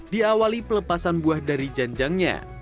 diawali pelepasan buah dari janjangnya